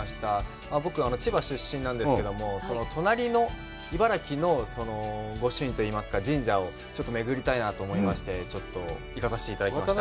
僕、千葉出身なんですけども、隣の茨城のご朱印といいますか、神社をちょっとめぐりたいなと思いまして、ちょっと行かさしていただきました。